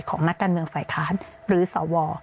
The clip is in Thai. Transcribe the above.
นักการเมืองฝ่ายค้านหรือสว